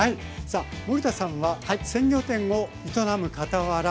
森田さんは鮮魚店を営むかたわら